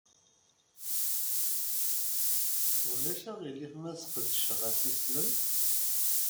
Ulac aɣilif ma sqedceɣ isislem?